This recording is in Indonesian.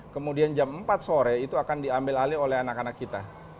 kemudian jam empat sore itu akan diambil alih oleh anak anak kita